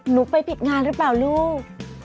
หนูไปผิดงานหรือเปล่าลูก